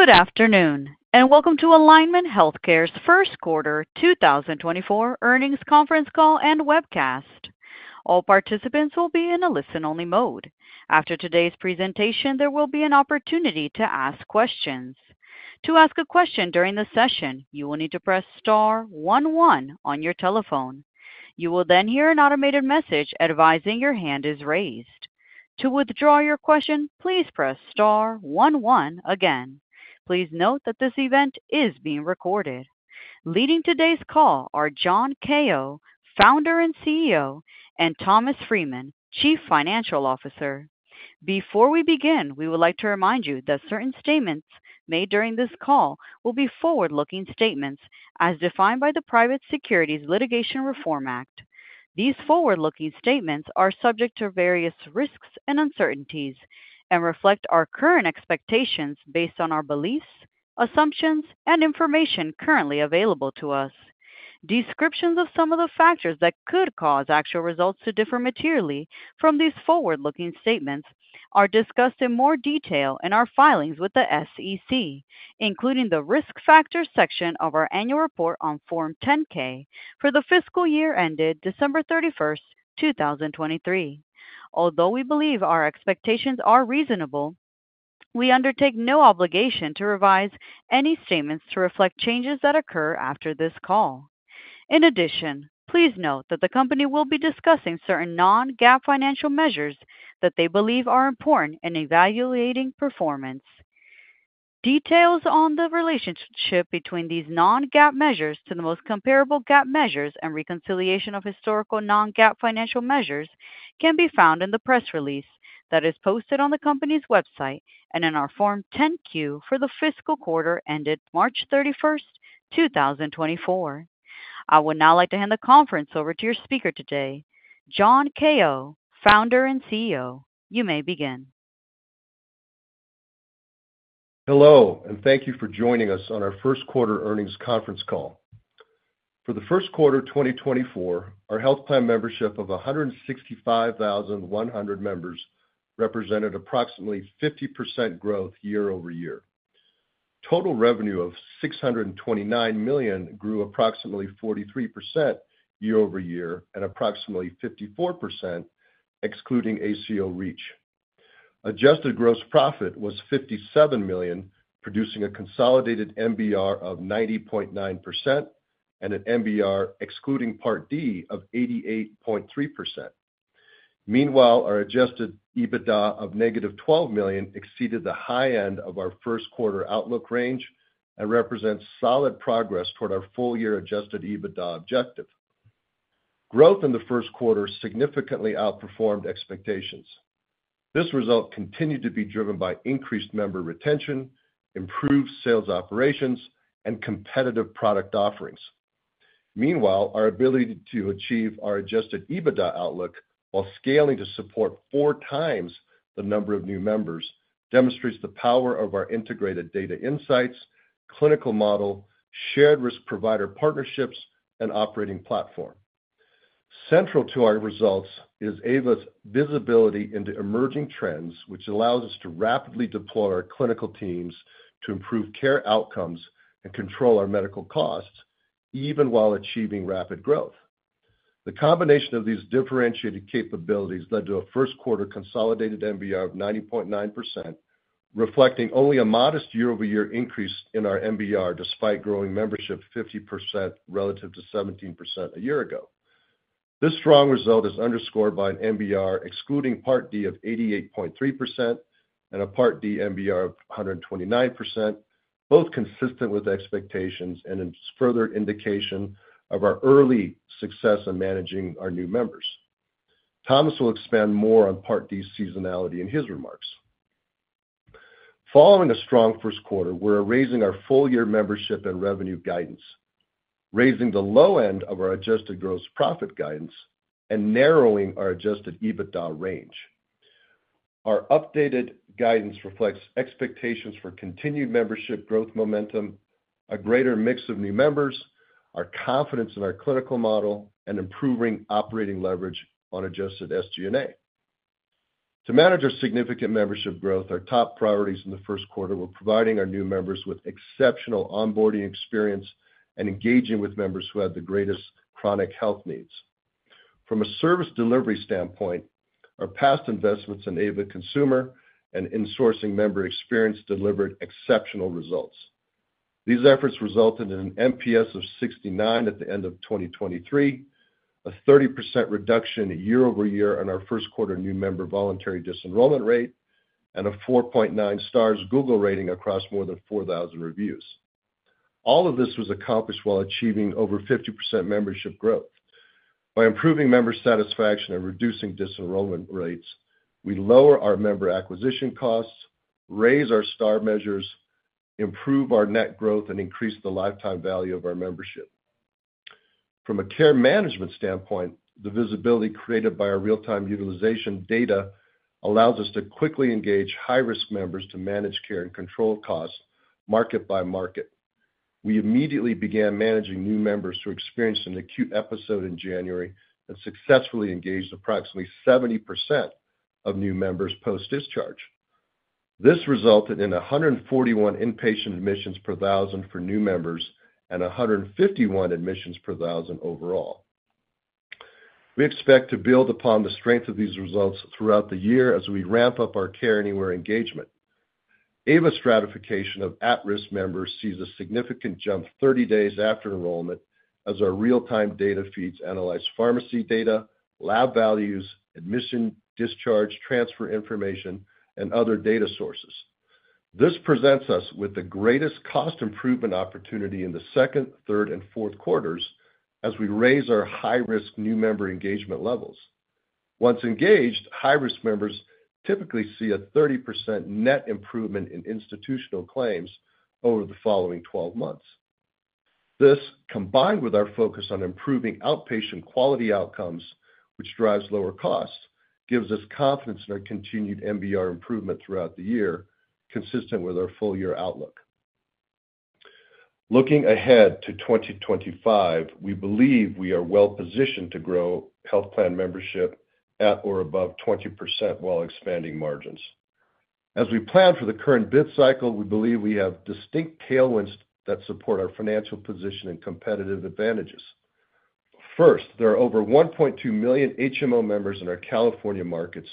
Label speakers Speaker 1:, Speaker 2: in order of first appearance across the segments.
Speaker 1: Good afternoon, and welcome to Alignment Healthcare's first quarter 2024 Earnings Conference Call and Webcast. All participants will be in a listen-only mode. After today's presentation, there will be an opportunity to ask questions. To ask a question during the session, you will need to press star one one on your telephone. You will then hear an automated message advising your hand is raised. To withdraw your question, please press star one one again. Please note that this event is being recorded. Leading today's call are John Kao, Founder and CEO, and Thomas Freeman, Chief Financial Officer. Before we begin, we would like to remind you that certain statements made during this call will be forward-looking statements as defined by the Private Securities Litigation Reform Act. These forward-looking statements are subject to various risks and uncertainties and reflect our current expectations based on our beliefs, assumptions, and information currently available to us. Descriptions of some of the factors that could cause actual results to differ materially from these forward-looking statements are discussed in more detail in our filings with the SEC, including the Risk Factors section of our Annual Report on Form 10-K for the fiscal year ended December 31st, 2023. Although we believe our expectations are reasonable, we undertake no obligation to revise any statements to reflect changes that occur after this call. In addition, please note that the company will be discussing certain non-GAAP financial measures that they believe are important in evaluating performance. Details on the relationship between these non-GAAP measures to the most comparable GAAP measures and reconciliation of historical non-GAAP financial measures can be found in the press release that is posted on the company's website and in our Form 10-Q for the fiscal quarter ended March 31, 2024. I would now like to hand the conference over to your speaker today, John Kao, Founder and CEO. You may begin.
Speaker 2: Hello, and thank you for joining us on our first quarter earnings conference call. For the first quarter of 2024, our health plan membership of 165,100 members represented approximately 50% growth year-over-year. Total revenue of $629 million grew approximately 43% year-over-year and approximately 54%, excluding ACO REACH. Adjusted gross profit was $57 million, producing a consolidated MBR of 90.9% and an MBR excluding Part D of 88.3%. Meanwhile, our adjusted EBITDA of -$12 million exceeded the high end of our first quarter outlook range and represents solid progress toward our full-year adjusted EBITDA objective. Growth in the first quarter significantly outperformed expectations. This result continued to be driven by increased member retention, improved sales operations, and competitive product offerings. Meanwhile, our ability to achieve our Adjusted EBITDA outlook while scaling to support 4 times the number of new members, demonstrates the power of our integrated data insights, clinical model, shared risk provider partnerships, and operating platform. Central to our results is AVA's visibility into emerging trends, which allows us to rapidly deploy our clinical teams to improve care outcomes and control our medical costs, even while achieving rapid growth. The combination of these differentiated capabilities led to a first quarter consolidated MBR of 90.9%, reflecting only a modest year-over-year increase in our MBR, despite growing membership 50% relative to 17% a year ago. This strong result is underscored by an MBR, excluding Part D of 88.3% and a Part D MBR of 129%, both consistent with expectations and it's further indication of our early success in managing our new members. Thomas will expand more on Part D seasonality in his remarks. Following a strong first quarter, we're raising our full-year membership and revenue guidance, raising the low end of our adjusted gross profit guidance and narrowing our adjusted EBITDA range. Our updated guidance reflects expectations for continued membership growth momentum, a greater mix of new members, our confidence in our clinical model, and improving operating leverage on adjusted SG&A. To manage our significant membership growth, our top priorities in the first quarter were providing our new members with exceptional onboarding experience and engaging with members who had the greatest chronic health needs. From a service delivery standpoint, our past investments in AVA Consumer and insourcing member experience delivered exceptional results. These efforts resulted in an NPS of 69 at the end of 2023, a 30% reduction year-over-year on our first quarter new member voluntary disenrollment rate, and a 4.9 stars Google rating across more than 4,000 reviews. All of this was accomplished while achieving over 50% membership growth. By improving member satisfaction and reducing disenrollment rates, we lower our member acquisition costs, raise our Star measures, improve our net growth, and increase the lifetime value of our membership. From a care management standpoint, the visibility created by our real-time utilization data allows us to quickly engage high-risk members to manage care and control costs market by market. We immediately began managing new members who experienced an acute episode in January and successfully engaged approximately 70% of new members post-discharge. This resulted in 141 inpatient admissions per thousand for new members and 151 admissions per thousand overall. We expect to build upon the strength of these results throughout the year as we ramp up our Care Anywhere engagement. AVA stratification of at-risk members sees a significant jump 30 days after enrollment as our real-time data feeds analyze pharmacy data, lab values, admission, discharge, transfer information, and other data sources. This presents us with the greatest cost improvement opportunity in the second, third, and fourth quarters as we raise our high-risk new member engagement levels. Once engaged, high-risk members typically see a 30% net improvement in institutional claims over the following 12 months. This, combined with our focus on improving outpatient quality outcomes, which drives lower costs, gives us confidence in our continued MBR improvement throughout the year, consistent with our full-year outlook. Looking ahead to 2025, we believe we are well positioned to grow health plan membership at or above 20% while expanding margins. As we plan for the current bid cycle, we believe we have distinct tailwinds that support our financial position and competitive advantages. First, there are over 1.2 million HMO members in our California markets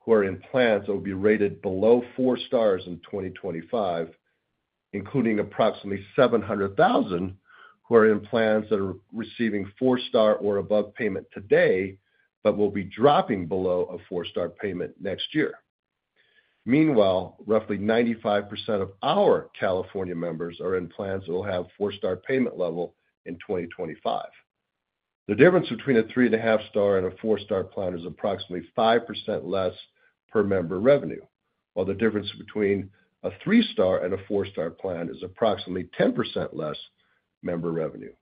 Speaker 2: who are in plans that will be rated below 4 stars in 2025, including approximately 700,000, who are in plans that are receiving 4-star or above payment today, but will be dropping below a 4-star payment next year. Meanwhile, roughly 95% of our California members are in plans that will have 4-star payment level in 2025. The difference between a 3.5-star and a 4-star plan is approximately 5% less per member revenue, while the difference between a 3-star and a 4-star plan is approximately 10% less member revenue.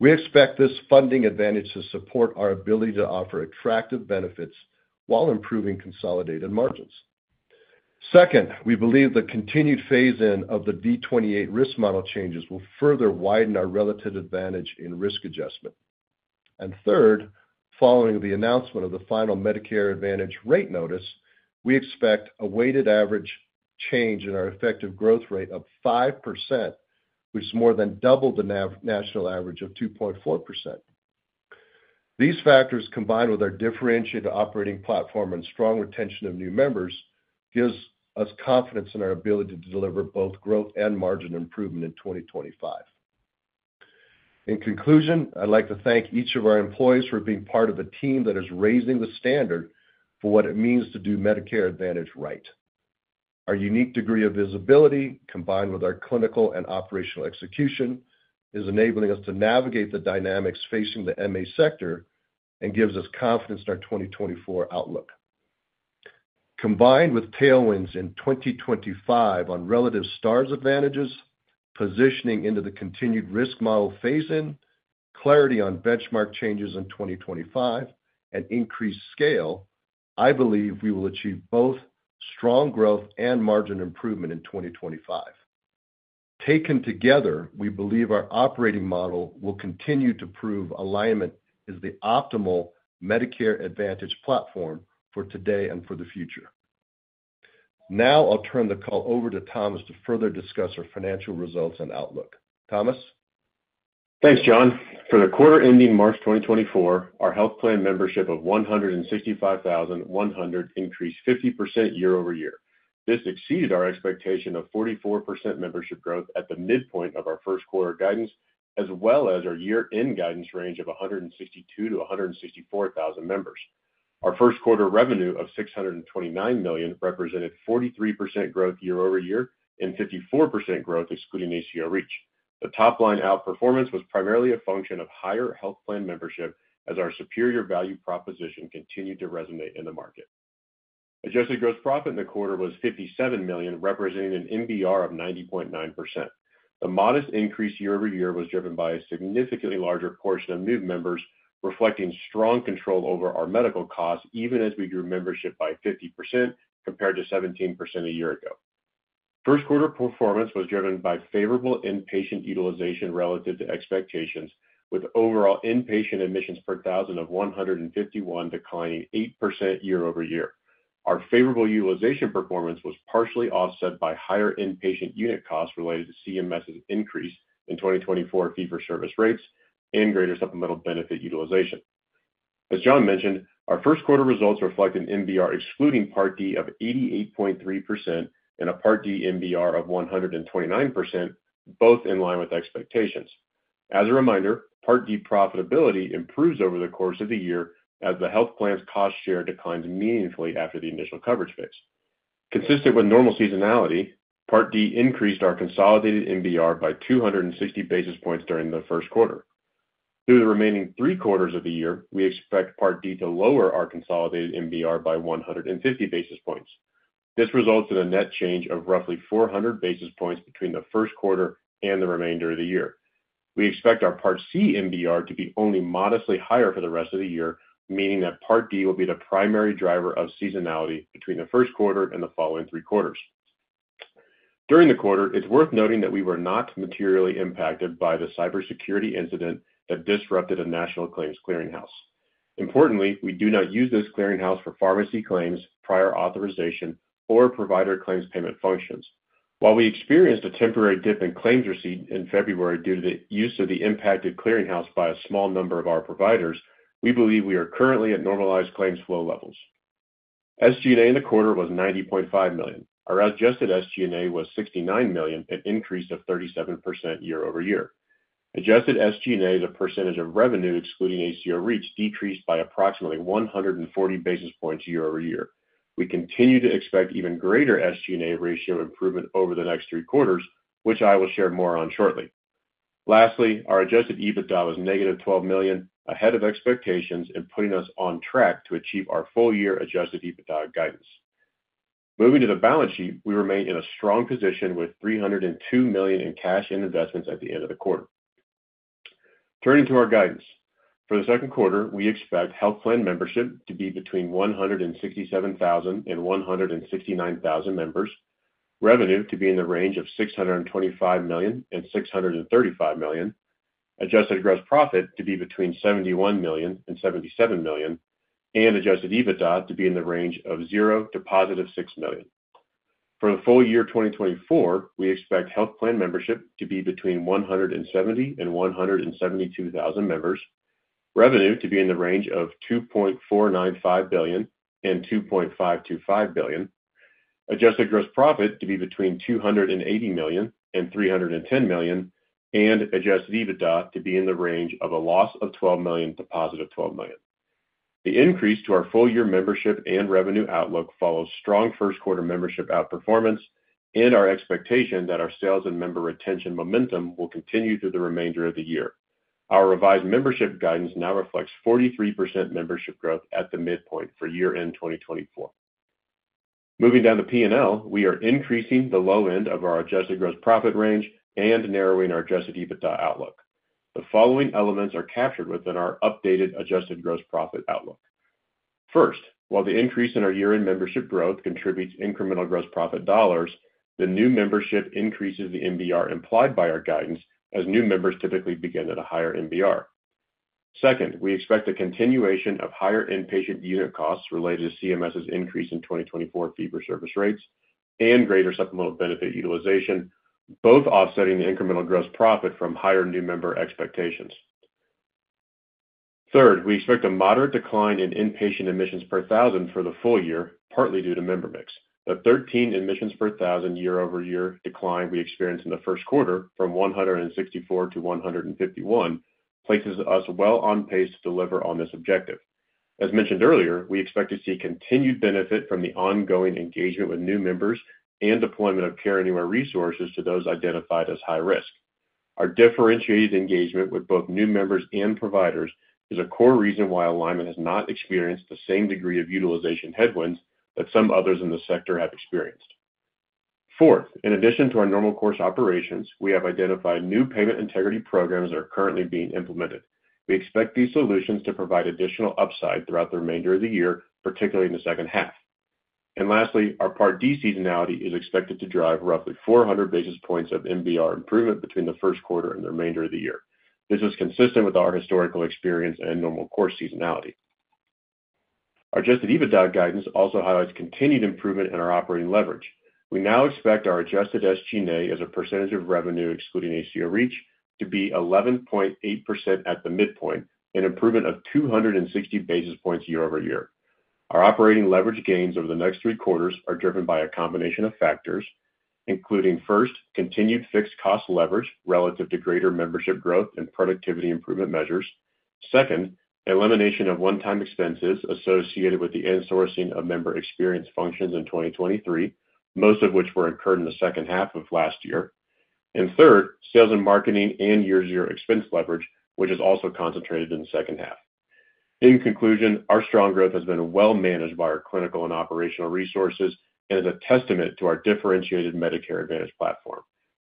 Speaker 2: We expect this funding advantage to support our ability to offer attractive benefits while improving consolidated margins. Second, we believe the continued phase-in of the V28 risk model changes will further widen our relative advantage in risk adjustment. And third, following the announcement of the final Medicare Advantage rate notice, we expect a weighted average change in our effective growth rate of 5%, which is more than double the national average of 2.4%. These factors, combined with our differentiated operating platform and strong retention of new members, gives us confidence in our ability to deliver both growth and margin improvement in 2025. In conclusion, I'd like to thank each of our employees for being part of a team that is raising the standard for what it means to do Medicare Advantage right. Our unique degree of visibility, combined with our clinical and operational execution, is enabling us to navigate the dynamics facing the MA sector and gives us confidence in our 2024 outlook. Combined with tailwinds in 2025 on relative Stars advantages, positioning into the continued risk model phase-in, clarity on benchmark changes in 2025, and increased scale, I believe we will achieve both strong growth and margin improvement in 2025. Taken together, we believe our operating model will continue to prove Alignment is the optimal Medicare Advantage platform for today and for the future. Now I'll turn the call over to Thomas to further discuss our financial results and outlook. Thomas?
Speaker 3: Thanks, John. For the quarter ending March 2024, our health plan membership of 165,100 increased 50% year-over-year. This exceeded our expectation of 44% membership growth at the midpoint of our first quarter guidance, as well as our year-end guidance range of 162,000-164,000 members. Our first quarter revenue of $629 million represented 43% growth year-over-year and 54% growth excluding ACO REACH. The top-line outperformance was primarily a function of higher health plan membership as our superior value proposition continued to resonate in the market. Adjusted gross profit in the quarter was $57 million, representing an MBR of 90.9%. The modest increase year-over-year was driven by a significantly larger portion of new members, reflecting strong control over our medical costs, even as we grew membership by 50% compared to 17% a year ago. First quarter performance was driven by favorable inpatient utilization relative to expectations, with overall inpatient admissions per thousand of 151 declining 8% year-over-year. Our favorable utilization performance was partially offset by higher inpatient unit costs related to CMS's increase in 2024 fee-for-service rates and greater supplemental benefit utilization. As John mentioned, our first quarter results reflect an MBR excluding Part D of 88.3% and a Part D MBR of 129%, both in line with expectations. As a reminder, Part D profitability improves over the course of the year as the health plan's cost share declines meaningfully after the initial coverage phase. Consistent with normal seasonality, Part D increased our consolidated MBR by 260 basis points during the first quarter. Through the remaining three quarters of the year, we expect Part D to lower our consolidated MBR by 150 basis points. This results in a net change of roughly 400 basis points between the first quarter and the remainder of the year. We expect our Part C MBR to be only modestly higher for the rest of the year, meaning that Part D will be the primary driver of seasonality between the first quarter and the following three quarters. During the quarter, it's worth noting that we were not materially impacted by the cybersecurity incident that disrupted a national claims clearinghouse. Importantly, we do not use this clearinghouse for pharmacy claims, prior authorization, or provider claims payment functions. While we experienced a temporary dip in claims receipt in February due to the use of the impacted clearinghouse by a small number of our providers, we believe we are currently at normalized claims flow levels. SG&A in the quarter was $90.5 million. Our adjusted SG&A was $69 million, an increase of 37% year-over-year. Adjusted SG&A as a percentage of revenue, excluding ACO REACH, decreased by approximately 140 basis points year-over-year. We continue to expect even greater SG&A ratio improvement over the next three quarters, which I will share more on shortly. Lastly, our Adjusted EBITDA was -$12 million, ahead of expectations and putting us on track to achieve our full-year Adjusted EBITDA guidance. Moving to the balance sheet, we remain in a strong position with $302 million in cash and investments at the end of the quarter. Turning to our guidance. For the second quarter, we expect health plan membership to be between 167,000 and 169,000 members, revenue to be in the range of $625 million-$635 million, Adjusted Gross Profit to be between $71 million-$77 million, and Adjusted EBITDA to be in the range of $0 to +$6 million. For the full year 2024, we expect health plan membership to be between 170,000 and 172,000 members, revenue to be in the range of $2.495 billion-$2.525 billion, adjusted gross profit to be between $280 million and $310 million, and adjusted EBITDA to be in the range of a loss of $12 million to $12 million. The increase to our full-year membership and revenue outlook follows strong first quarter membership outperformance and our expectation that our sales and member retention momentum will continue through the remainder of the year. Our revised membership guidance now reflects 43% membership growth at the midpoint for year-end 2024. Moving down to P&L, we are increasing the low end of our adjusted gross profit range and narrowing our adjusted EBITDA outlook. The following elements are captured within our updated adjusted gross profit outlook. First, while the increase in our year-end membership growth contributes incremental gross profit dollars, the new membership increases the MBR implied by our guidance, as new members typically begin at a higher MBR. Second, we expect a continuation of higher inpatient unit costs related to CMS's increase in 2024 fee-for-service rates and greater supplemental benefit utilization, both offsetting the incremental gross profit from higher new member expectations. Third, we expect a moderate decline in inpatient admissions per thousand for the full year, partly due to member mix. The 13 admissions per thousand year-over-year decline we experienced in the first quarter, from 164 to 151, places us well on pace to deliver on this objective. As mentioned earlier, we expect to see continued benefit from the ongoing engagement with new members and deployment of Care Anywhere resources to those identified as high risk. Our differentiated engagement with both new members and providers is a core reason why Alignment has not experienced the same degree of utilization headwinds that some others in the sector have experienced. Fourth, in addition to our normal course operations, we have identified new payment integrity programs that are currently being implemented. We expect these solutions to provide additional upside throughout the remainder of the year, particularly in the second half. Lastly, our Part D seasonality is expected to drive roughly 400 basis points of MBR improvement between the first quarter and the remainder of the year. This is consistent with our historical experience and normal course seasonality. Our adjusted EBITDA guidance also highlights continued improvement in our operating leverage. We now expect our adjusted SG&A as a percentage of revenue, excluding ACO REACH, to be 11.8% at the midpoint, an improvement of 260 basis points year-over-year. Our operating leverage gains over the next three quarters are driven by a combination of factors, including, first, continued fixed cost leverage relative to greater membership growth and productivity improvement measures. Second, elimination of one-time expenses associated with the insourcing of member experience functions in 2023, most of which were incurred in the second half of last year. And third, sales and marketing and year-to-year expense leverage, which is also concentrated in the second half. In conclusion, our strong growth has been well managed by our clinical and operational resources and is a testament to our differentiated Medicare Advantage platform.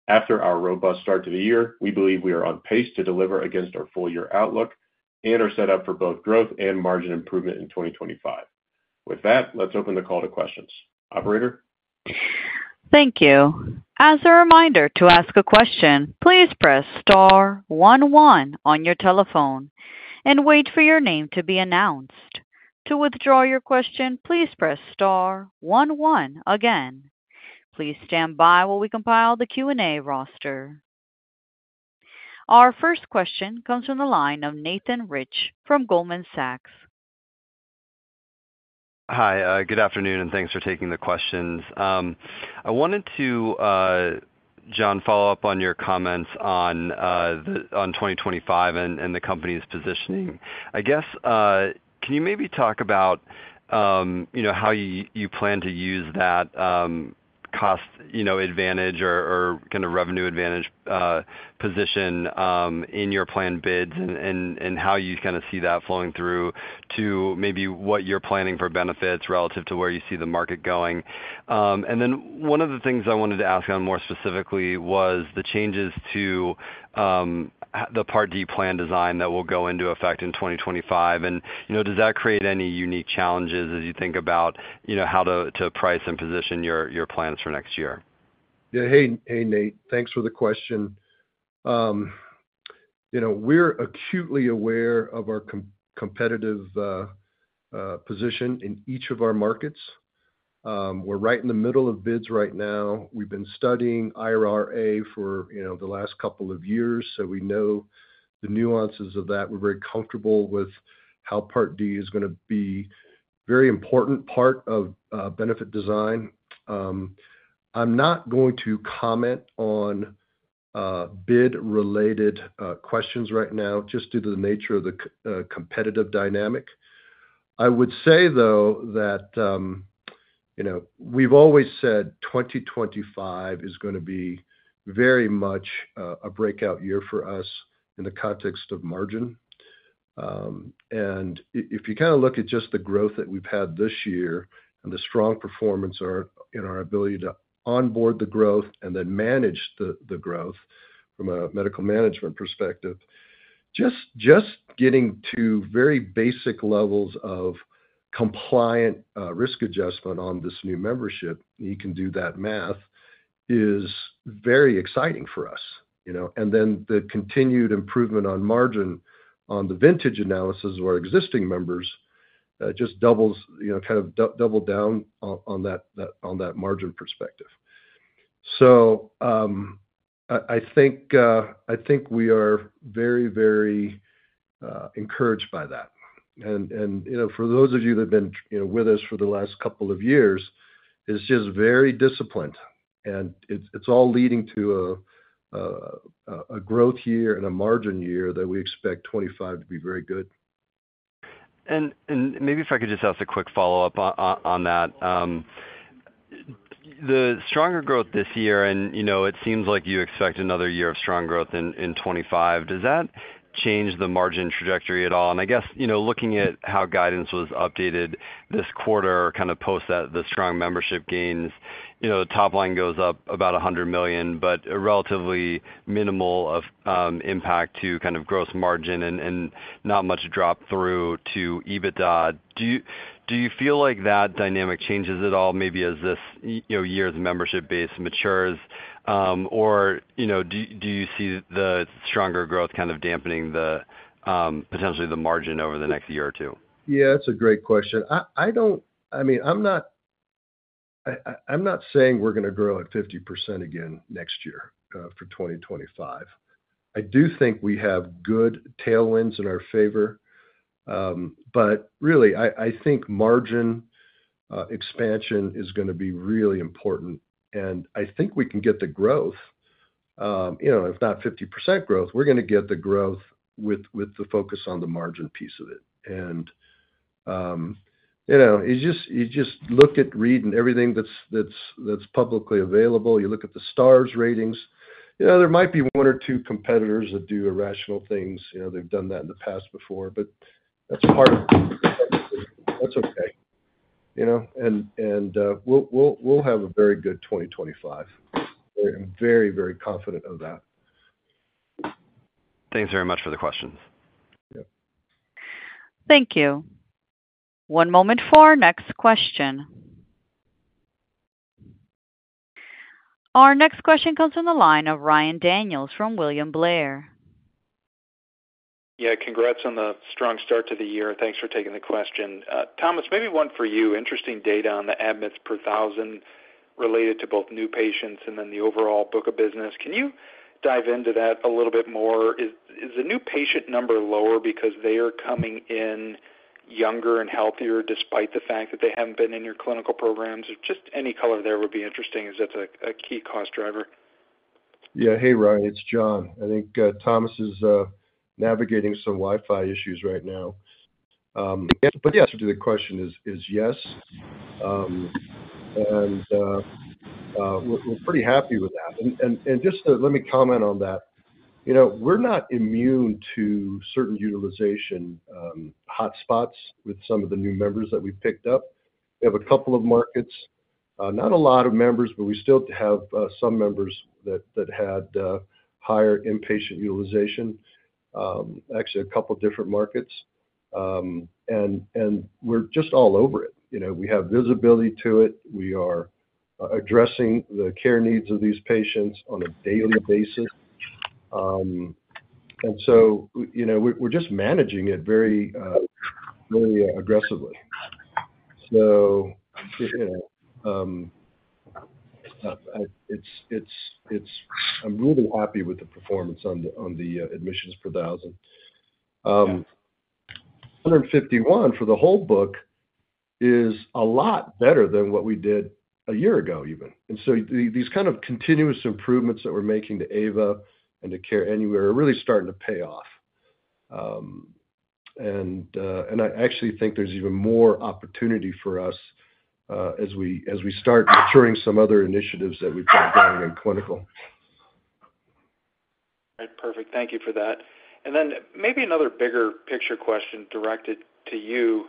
Speaker 3: After our robust start to the year, we believe we are on pace to deliver against our full-year outlook and are set up for both growth and margin improvement in 2025. With that, let's open the call to questions. Operator?
Speaker 1: Thank you. As a reminder, to ask a question, please press star one one on your telephone and wait for your name to be announced. To withdraw your question, please press star one one again. Please stand by while we compile the Q&A roster. Our first question comes from the line of Nathan Rich from Goldman Sachs.
Speaker 4: Hi, good afternoon, and thanks for taking the questions. I wanted to, John, follow up on your comments on 2025 and the company's positioning. I guess, can you maybe talk about you know, how you plan to use that cost, you know, advantage or kind of revenue advantage position in your planned bids, and how you kind of see that flowing through to maybe what you're planning for benefits relative to where you see the market going? And then one of the things I wanted to ask on more specifically was the changes to the Part D plan design that will go into effect in 2025. You know, does that create any unique challenges as you think about, you know, how to price and position your plans for next year?
Speaker 2: Yeah. Hey, hey, Nate. Thanks for the question. You know, we're acutely aware of our competitive position in each of our markets. We're right in the middle of bids right now. We've been studying IRA for, you know, the last couple of years, so we know the nuances of that. We're very comfortable with how Part D is gonna be very important part of benefit design. I'm not going to comment on bid-related questions right now, just due to the nature of the competitive dynamic. I would say, though, that, you know, we've always said 2025 is gonna be very much a breakout year for us in the context of margin. And if you kind of look at just the growth that we've had this year and the strong performance or in our ability to onboard the growth and then manage the growth from a medical management perspective, just getting to very basic levels of compliant risk adjustment on this new membership, you can do that math, is very exciting for us, you know? And then the continued improvement on margin on the vintage analysis of our existing members, just doubles, you know, kind of double down on that margin perspective. So, I think we are very, very encouraged by that. You know, for those of you that have been, you know, with us for the last couple of years, it's just very disciplined, and it's all leading to a growth year and a margin year that we expect 2025 to be very good.
Speaker 4: And maybe if I could just ask a quick follow-up on that. The stronger growth this year, and, you know, it seems like you expect another year of strong growth in 2025. Does that change the margin trajectory at all? And I guess, you know, looking at how guidance was updated this quarter, kind of post that, the strong membership gains, you know, the top line goes up about $100 million, but a relatively minimal of impact to kind of gross margin and not much drop through to EBITDA. Do you feel like that dynamic changes at all, maybe as this year's membership base matures, or, you know, do you see the stronger growth kind of dampening the potentially the margin over the next year or two?
Speaker 2: Yeah, that's a great question. I don't—I mean, I'm not saying we're gonna grow at 50% again next year, for 2025. I do think we have good tailwinds in our favor, but really, I think margin expansion is gonna be really important, and I think we can get the growth. You know, if not 50% growth, we're gonna get the growth with the focus on the margin piece of it. And you know, you just look at the read and everything that's publicly available. You look at the Star Ratings. You know, there might be one or two competitors that do irrational things. You know, they've done that in the past before, but that's part of that's okay, you know, and we'll have a very good 2025. We're very, very confident of that.
Speaker 4: Thanks very much for the questions.
Speaker 2: Yep.
Speaker 1: Thank you. One moment for our next question. Our next question comes from the line of Ryan Daniels from William Blair.
Speaker 5: Yeah, congrats on the strong start to the year. Thanks for taking the question. Thomas, maybe one for you. Interesting data on the admits per thousand related to both new patients and then the overall book of business. Can you dive into that a little bit more? Is the new patient number lower because they are coming in younger and healthier, despite the fact that they haven't been in your clinical programs? Just any color there would be interesting, as that's a key cost driver.
Speaker 2: Yeah. Hey, Ryan, it's John. I think Thomas is navigating some Wi-Fi issues right now. But the answer to the question is yes, and we're pretty happy with that. And just to... Let me comment on that. You know, we're not immune to certain utilization hotspots with some of the new members that we've picked up. We have a couple of markets, not a lot of members, but we still have some members that had higher inpatient utilization, actually, a couple different markets. And we're just all over it. You know, we have visibility to it. We are addressing the care needs of these patients on a daily basis. And so, you know, we're just managing it very, very aggressively. So, you know, it's—I'm really happy with the performance on the admissions per thousand. 151 for the whole book is a lot better than what we did a year ago, even. And so these kind of continuous improvements that we're making to AVA and to Care Anywhere are really starting to pay off... And I actually think there's even more opportunity for us, as we start maturing some other initiatives that we've got going in clinical.
Speaker 5: Right. Perfect. Thank you for that. And then maybe another bigger picture question directed to you.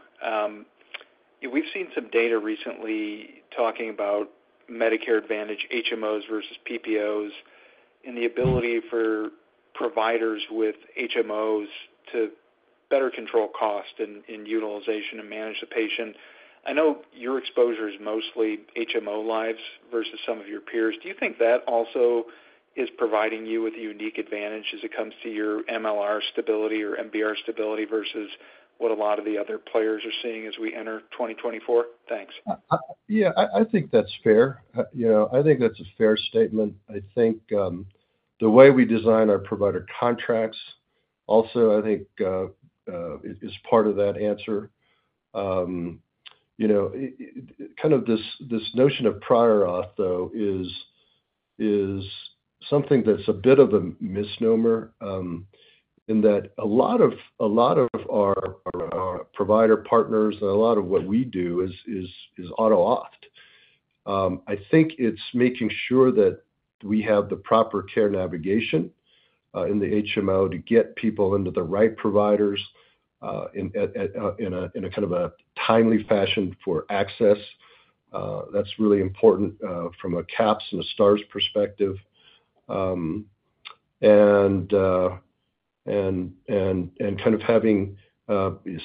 Speaker 5: We've seen some data recently talking about Medicare Advantage HMOs versus PPOs, and the ability for providers with HMOs to better control cost and utilization and manage the patient. I know your exposure is mostly HMO lives versus some of your peers. Do you think that also is providing you with a unique advantage as it comes to your MLR stability or MBR stability versus what a lot of the other players are seeing as we enter 2024? Thanks.
Speaker 2: Yeah, I think that's fair. You know, I think that's a fair statement. I think the way we design our provider contracts, also, I think is part of that answer. You know, kind of this notion of prior auth, though, is something that's a bit of a misnomer, in that a lot of our provider partners and a lot of what we do is auto auth. I think it's making sure that we have the proper care navigation in the HMO to get people into the right providers in a kind of a timely fashion for access. That's really important from a CAHPS and Stars perspective. kind of having,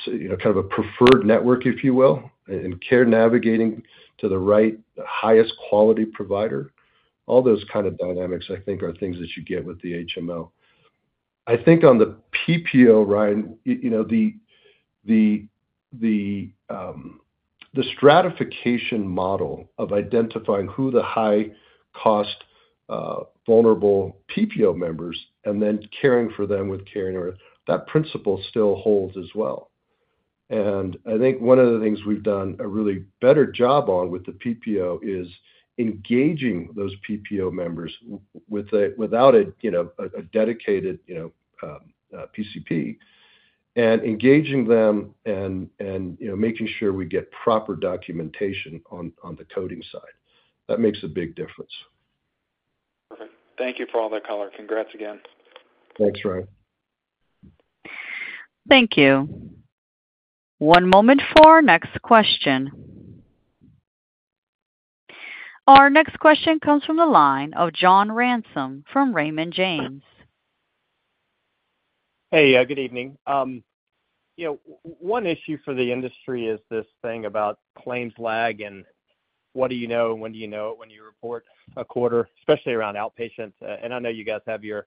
Speaker 2: you know, kind of a preferred network, if you will, and care navigating to the right, highest quality provider. All those kind of dynamics, I think, are things that you get with the HMO. I think on the PPO, Ryan, you know, the stratification model of identifying who the high cost, vulnerable PPO members and then caring for them with Care Anywhere, that principle still holds as well. And I think one of the things we've done a really better job on with the PPO is engaging those PPO members without a, you know, a dedicated, you know, PCP. And engaging them and, you know, making sure we get proper documentation on the coding side. That makes a big difference.
Speaker 5: Perfect. Thank you for all that color. Congrats again.
Speaker 2: Thanks, Ryan.
Speaker 1: Thank you. One moment for our next question. Our next question comes from the line of John Ransom from Raymond James.
Speaker 6: Hey, good evening. You know, one issue for the industry is this thing about claims lag and what do you know, and when do you know it, when you report a quarter, especially around outpatients. And I know you guys have your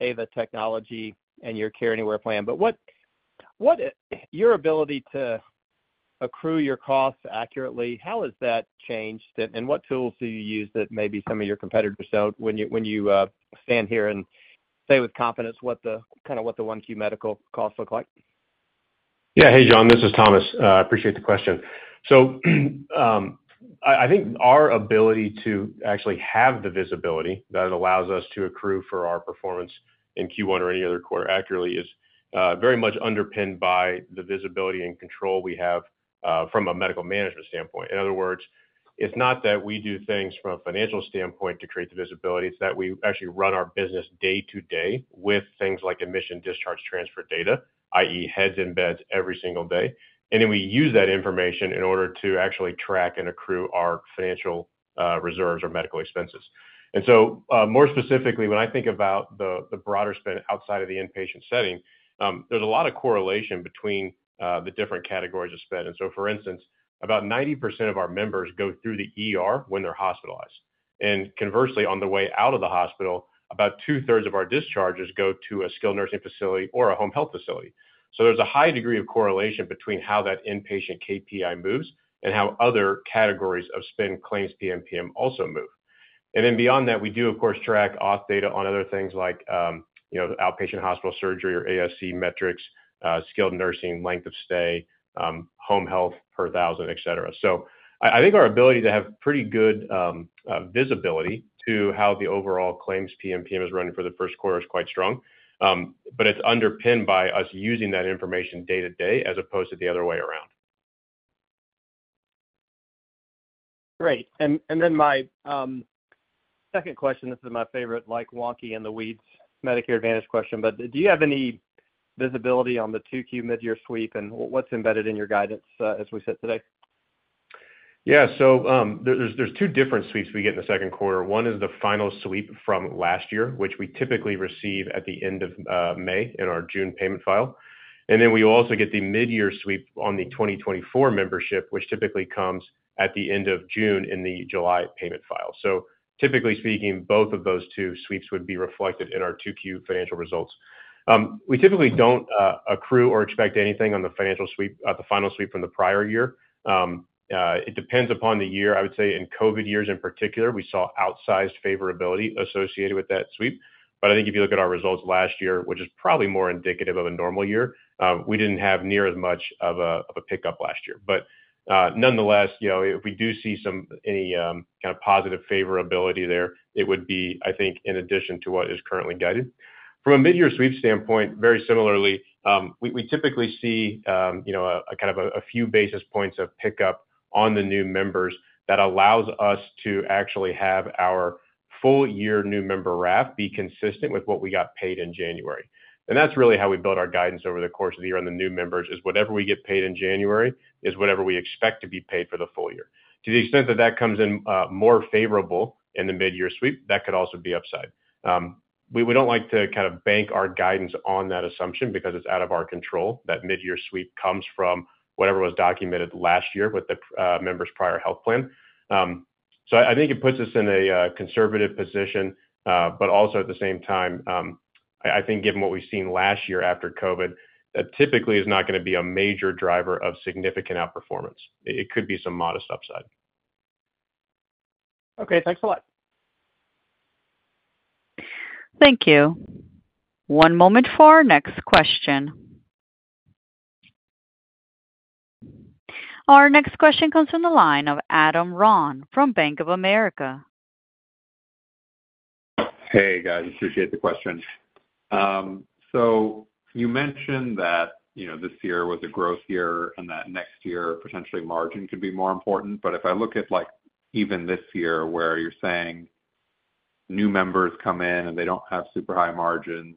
Speaker 6: AVA Technology and your Care Anywhere plan, but what, what... Your ability to accrue your costs accurately, how has that changed, and, and what tools do you use that maybe some of your competitors don't when you, when you, stand here and say with confidence what the, kind of what the 1Q medical costs look like?
Speaker 3: Yeah. Hey, John, this is Thomas. I appreciate the question. So, I think our ability to actually have the visibility that allows us to accrue for our performance in Q1 or any other quarter accurately is very much underpinned by the visibility and control we have from a medical management standpoint. In other words, it's not that we do things from a financial standpoint to create the visibility, it's that we actually run our business day to day with things like admission, discharge, transfer data, i.e., heads in beds every single day. And then we use that information in order to actually track and accrue our financial reserves or medical expenses. And so, more specifically, when I think about the broader spend outside of the inpatient setting, there's a lot of correlation between the different categories of spend. For instance, about 90% of our members go through the ER when they're hospitalized. And conversely, on the way out of the hospital, about two-thirds of our discharges go to a skilled nursing facility or a home health facility. So there's a high degree of correlation between how that inpatient KPI moves and how other categories of spend claims PMPM also move. And then beyond that, we do, of course, track auth data on other things like, you know, outpatient hospital surgery or ASC metrics, skilled nursing, length of stay, home health per thousand, et cetera. So I think our ability to have pretty good visibility to how the overall claims PMPM is running for the first quarter is quite strong, but it's underpinned by us using that information day to day, as opposed to the other way around.
Speaker 6: Great. And then my second question, this is my favorite, like, wonky in the weeds Medicare Advantage question, but do you have any visibility on the 2Q mid-year sweep, and what's embedded in your guidance, as we sit today?...
Speaker 3: Yeah, so, there, there's two different sweeps we get in the second quarter. One is the final sweep from last year, which we typically receive at the end of May, in our June payment file. And then we also get the mid-year sweep on the 2024 membership, which typically comes at the end of June in the July payment file. So typically speaking, both of those two sweeps would be reflected in our 2Q financial results. We typically don't accrue or expect anything on the financial sweep—the final sweep from the prior year. It depends upon the year. I would say in COVID years in particular, we saw outsized favorability associated with that sweep. But I think if you look at our results last year, which is probably more indicative of a normal year, we didn't have near as much of a pickup last year. But, nonetheless, you know, if we do see any kind of positive favorability there, it would be, I think, in addition to what is currently guided. From a mid-year sweep standpoint, very similarly, we typically see, you know, a few basis points of pickup on the new members that allows us to actually have our full year new member RAF be consistent with what we got paid in January. And that's really how we build our guidance over the course of the year on the new members, is whatever we get paid in January, is whatever we expect to be paid for the full year. To the extent that that comes in, more favorable in the mid-year sweep, that could also be upside. We, we don't like to kind of bank our guidance on that assumption because it's out of our control. That mid-year sweep comes from whatever was documented last year with the, members' prior health plan. So I think it puts us in a, conservative position, but also at the same time, I, I think given what we've seen last year after COVID, that typically is not gonna be a major driver of significant outperformance. It could be some modest upside.
Speaker 1: Okay, thanks a lot. Thank you. One moment for our next question. Our next question comes from the line of Adam Ron from Bank of America.
Speaker 7: Hey, guys, appreciate the question. So you mentioned that, you know, this year was a growth year and that next year, potentially margin could be more important. But if I look at, like, even this year, where you're saying new members come in and they don't have super high margins,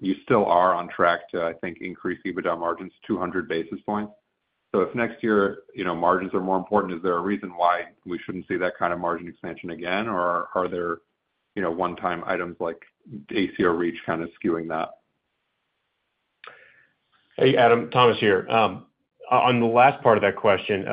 Speaker 7: you still are on track to, I think, increase EBITDA margins 200 basis points. So if next year, you know, margins are more important, is there a reason why we shouldn't see that kind of margin expansion again? Or are there, you know, one-time items like ACO REACH kind of skewing that?
Speaker 3: Hey, Adam, Thomas here. On the last part of that question,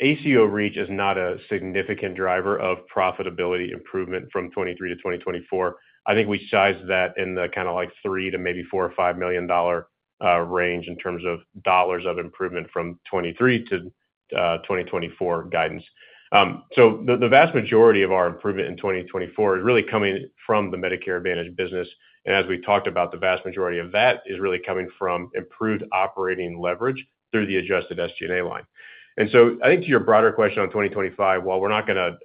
Speaker 3: ACO REACH is not a significant driver of profitability improvement from 2023 to 2024. I think we sized that in the kind of like $3 million to maybe $4 million or $5 million range in terms of dollars of improvement from 2023 to 2024 guidance. So the vast majority of our improvement in 2024 is really coming from the Medicare Advantage business. And as we talked about, the vast majority of that is really coming from improved operating leverage through the adjusted SG&A line. And so I think to your broader question on 2025, while we're not gonna,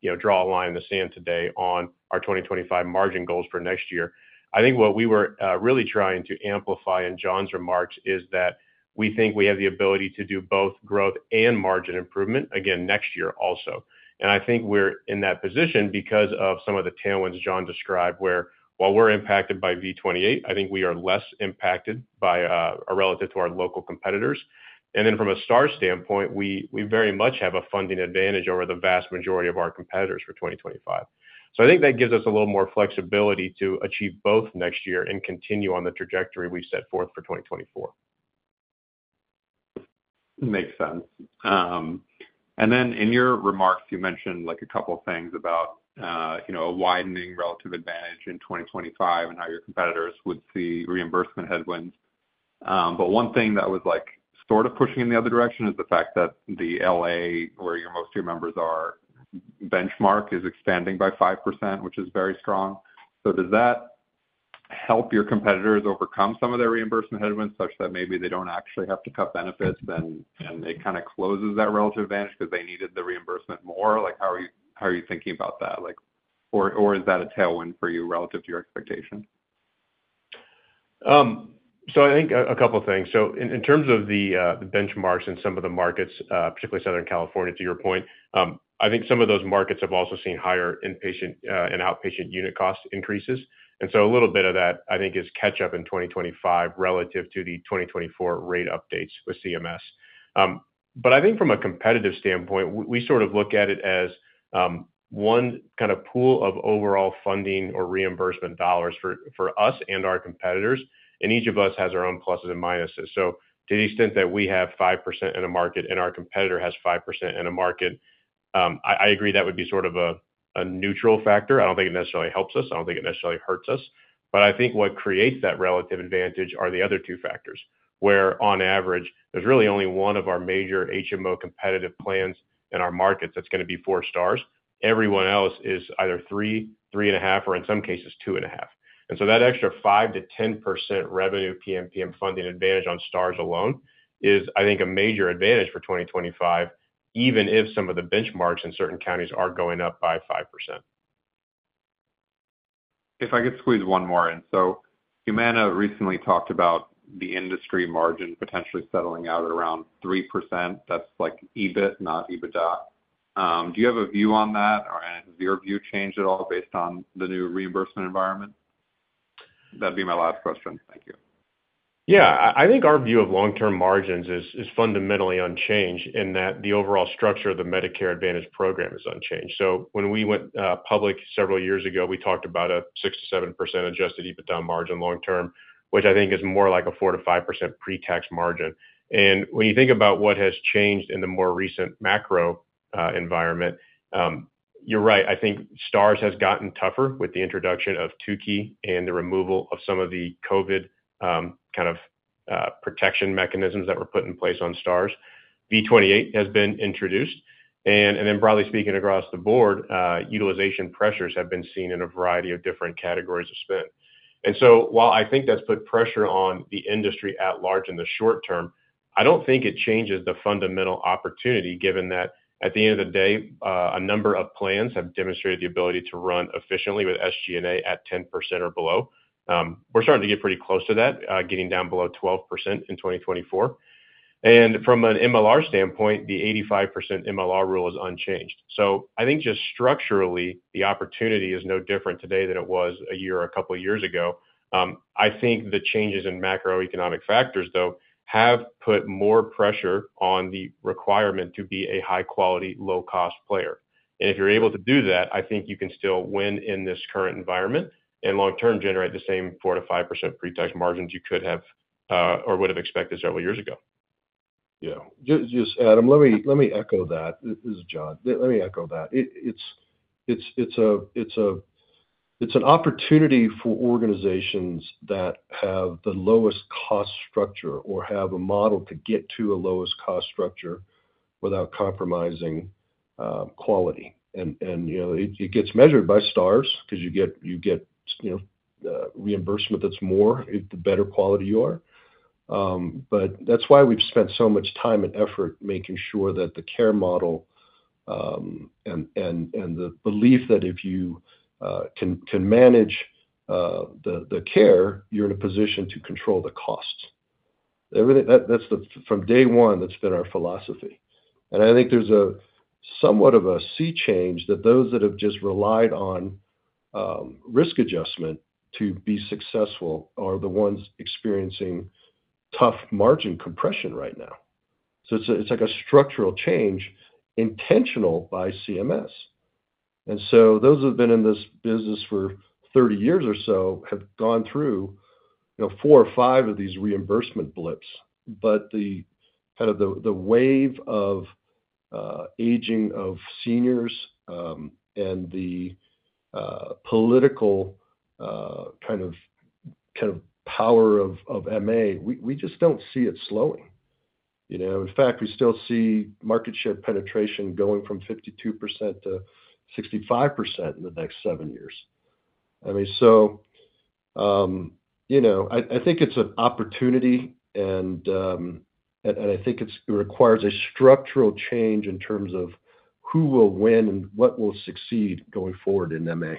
Speaker 3: you know, draw a line in the sand today on our 2025 margin goals for next year, I think what we were really trying to amplify in John's remarks is that we think we have the ability to do both growth and margin improvement again next year also. And I think we're in that position because of some of the tailwinds John described, where while we're impacted by V28, I think we are less impacted by relative to our local competitors. And then from a Star standpoint, we, we very much have a funding advantage over the vast majority of our competitors for 2025. I think that gives us a little more flexibility to achieve both next year and continue on the trajectory we set forth for 2024.
Speaker 7: Makes sense. And then in your remarks, you mentioned, like, a couple of things about, you know, a widening relative advantage in 2025 and how your competitors would see reimbursement headwinds. But one thing that was, like, sort of pushing in the other direction is the fact that the L.A., where your most of your members are, benchmark is expanding by 5%, which is very strong. So does that help your competitors overcome some of their reimbursement headwinds, such that maybe they don't actually have to cut benefits, then, and it kind of closes that relative advantage because they needed the reimbursement more? Like, how are you, how are you thinking about that? Like, or, or is that a tailwind for you relative to your expectation?
Speaker 3: So I think a couple of things. So in terms of the benchmarks in some of the markets, particularly Southern California, to your point, I think some of those markets have also seen higher inpatient and outpatient unit cost increases. And so a little bit of that, I think, is catch up in 2025 relative to the 2024 rate updates with CMS. But I think from a competitive standpoint, we sort of look at it as one kind of pool of overall funding or reimbursement dollars for us and our competitors, and each of us has our own pluses and minuses. So to the extent that we have 5% in a market and our competitor has 5% in a market, I agree that would be sort of a neutral factor. I don't think it necessarily helps us. I don't think it necessarily hurts us. But I think what creates that relative advantage are the other two factors, where, on average, there's really only one of our major HMO competitive plans in our markets that's gonna be four stars. Everyone else is either three, three and a half, or in some cases, two and a half. And so that extra 5%-10% revenue PMPM funding advantage on stars alone is, I think, a major advantage for 2025, even if some of the benchmarks in certain counties are going up by 5%.
Speaker 7: If I could squeeze one more in. So Humana recently talked about the industry margin potentially settling out at around 3%. That's like EBIT, not EBITDA. Do you have a view on that? Or, and has your view changed at all based on the new reimbursement environment? That'd be my last question. Thank you.
Speaker 3: Yeah, I, I think our view of long-term margins is, is fundamentally unchanged, in that the overall structure of the Medicare Advantage program is unchanged. So when we went, public several years ago, we talked about a 6%-7% Adjusted EBITDA margin long term, which I think is more like a 4%-5% pretax margin. And when you think about what has changed in the more recent macro, environment, you're right, I think Stars has gotten tougher with the introduction of Tukey and the removal of some of the COVID, kind of, protection mechanisms that were put in place on Stars. V28 has been introduced, and, and then broadly speaking, across the board, utilization pressures have been seen in a variety of different categories of spend. While I think that's put pressure on the industry at large in the short term, I don't think it changes the fundamental opportunity, given that at the end of the day, a number of plans have demonstrated the ability to run efficiently with SG&A at 10% or below. We're starting to get pretty close to that, getting down below 12% in 2024. From an MLR standpoint, the 85% MLR rule is unchanged. I think just structurally, the opportunity is no different today than it was a year or a couple of years ago. I think the changes in macroeconomic factors, though, have put more pressure on the requirement to be a high-quality, low-cost player. If you're able to do that, I think you can still win in this current environment, and long term, generate the same 4%-5% pretax margins you could have, or would have expected several years ago.
Speaker 2: Yeah. Just Adam, let me echo that. This is John. Let me echo that. It's an opportunity for organizations that have the lowest cost structure or have a model to get to a lowest cost structure without compromising quality. And you know, it gets measured by Stars because you get you know reimbursement that's more, the better quality you are. But that's why we've spent so much time and effort making sure that the care model and the belief that if you can manage the care, you're in a position to control the costs. Everything. That's the... From day one, that's been our philosophy. And I think there's a somewhat of a sea change that those that have just relied on, risk adjustment to be successful are the ones experiencing tough margin compression right now. So it's, it's like a structural change, intentional by CMS. And so those who have been in this business for 30 years or so have gone through, you know, 4 or 5 of these reimbursement blips. But the kind of the, the wave of, aging of seniors, and the, political, kind of, kind of power of, of MA, we, we just don't see it slowing, you know. In fact, we still see market share penetration going from 52%-65% in the next 7 years. I mean, so, you know, I think it's an opportunity, and I think it requires a structural change in terms of who will win and what will succeed going forward in MA.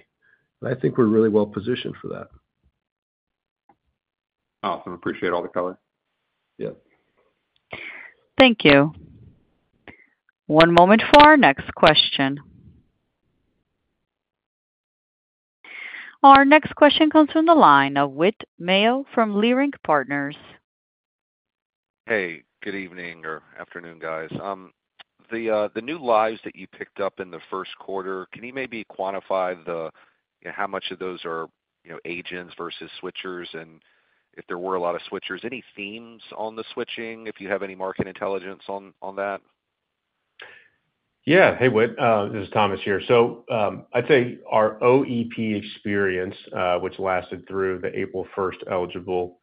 Speaker 2: And I think we're really well positioned for that.
Speaker 7: Awesome. Appreciate all the color.
Speaker 2: Yeah.
Speaker 1: Thank you. One moment for our next question. Our next question comes from the line of Whit Mayo from Leerink Partners.
Speaker 8: Hey, good evening or afternoon, guys. The new lives that you picked up in the first quarter, can you maybe quantify how much of those are, you know, agents versus switchers? And if there were a lot of switchers, any themes on the switching, if you have any market intelligence on that?
Speaker 3: Yeah. Hey, Whit, this is Thomas here. So, I'd say our OEP experience, which lasted through the April first eligible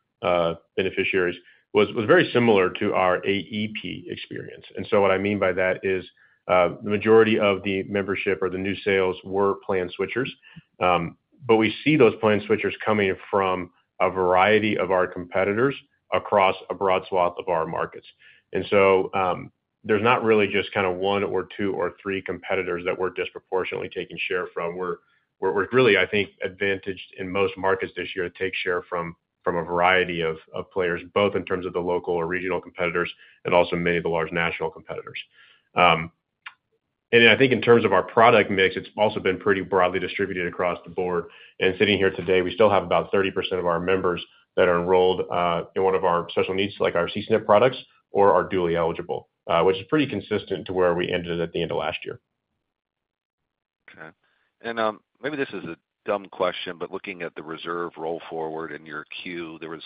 Speaker 3: beneficiaries, was very similar to our AEP experience. And so what I mean by that is, the majority of the membership or the new sales were plan switchers. But we see those plan switchers coming from a variety of our competitors across a broad swath of our markets. And so, there's not really just kind of one or two or three competitors that we're disproportionately taking share from. We're really, I think, advantaged in most markets this year to take share from a variety of players, both in terms of the local or regional competitors and also many of the large national competitors. And I think in terms of our product mix, it's also been pretty broadly distributed across the board. Sitting here today, we still have about 30% of our members that are enrolled in one of our special needs, like our C-SNP products or are dually eligible, which is pretty consistent to where we ended at the end of last year.
Speaker 8: Okay. And maybe this is a dumb question, but looking at the reserve roll forward in your 10-Q, there was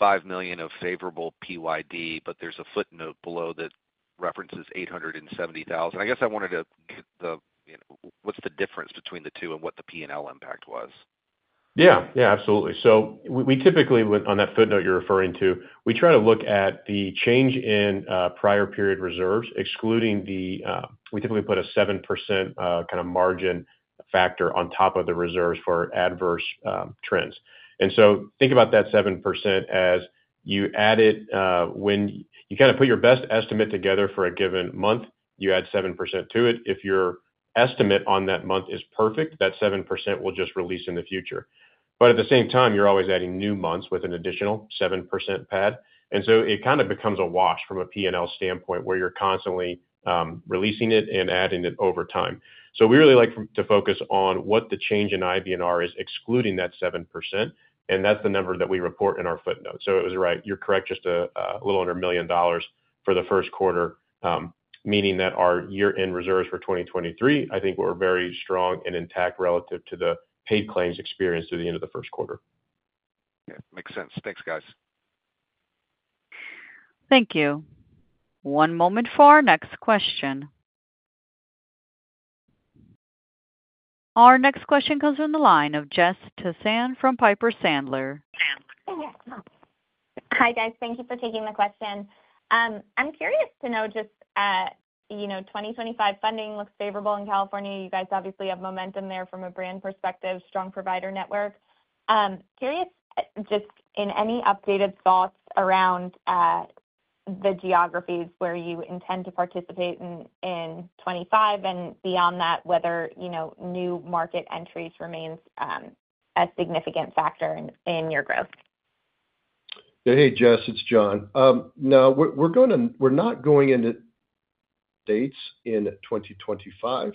Speaker 8: $5 million of favorable PYD, but there's a footnote below that references $870,000. I guess I wanted to get the, you know, what's the difference between the two and what the P&L impact was?
Speaker 3: Yeah, yeah, absolutely. So we, we typically, with, on that footnote you're referring to, we try to look at the change in prior period reserves, excluding the, we typically put a 7%, kind of margin factor on top of the reserves for adverse trends. And so think about that 7% as you add it, when you kind of put your best estimate together for a given month, you add 7% to it. If your estimate on that month is perfect, that 7% will just release in the future. But at the same time, you're always adding new months with an additional 7% pad, and so it kind of becomes a wash from a P&L standpoint, where you're constantly releasing it and adding it over time. So we really like to focus on what the change in IBNR is, excluding that 7%, and that's the number that we report in our footnotes. So it was right. You're correct, just a, a little under $1 million for the first quarter, meaning that our year-end reserves for 2023, I think, were very strong and intact relative to the paid claims experience through the end of the first quarter....
Speaker 8: Yeah, makes sense. Thanks, guys.
Speaker 1: Thank you. One moment for our next question. Our next question comes from the line of Jess Tassan from Piper Sandler.
Speaker 9: Hi, guys. Thank you for taking the question. I'm curious to know, just, you know, 2025 funding looks favorable in California. You guys obviously have momentum there from a brand perspective, strong provider network. Curious, just in any updated thoughts around, the geographies where you intend to participate in, in 2025 and beyond that, whether, you know, new market entries remains, a significant factor in, in your growth?
Speaker 2: Hey, Jess, it's John. No, we're gonna—we're not going into dates in 2025.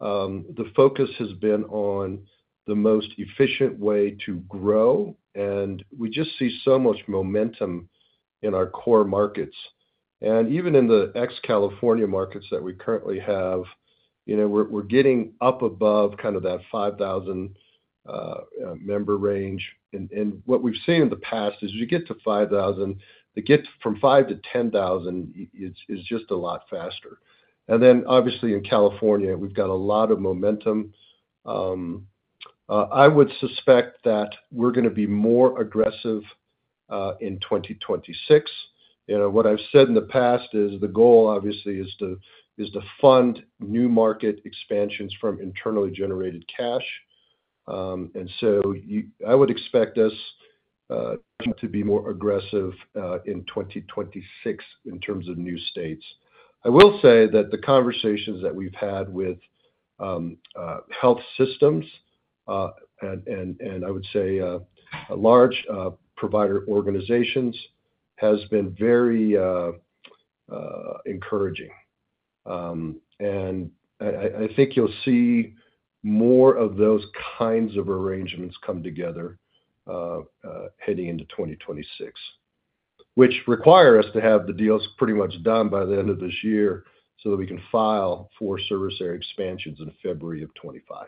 Speaker 2: The focus has been on the most efficient way to grow, and we just see so much momentum in our core markets. And even in the ex-California markets that we currently have, you know, we're getting up above kind of that 5,000 member range. And what we've seen in the past is you get to 5,000, to get from 5,000-10,000, it's just a lot faster. And then, obviously, in California, we've got a lot of momentum. I would suspect that we're gonna be more aggressive in 2026. You know, what I've said in the past is the goal, obviously, is to fund new market expansions from internally generated cash. And so I would expect us to be more aggressive in 2026 in terms of new states. I will say that the conversations that we've had with health systems, and I would say large provider organizations, has been very encouraging. And I think you'll see more of those kinds of arrangements come together heading into 2026, which require us to have the deals pretty much done by the end of this year, so that we can file for service area expansions in February of 2025.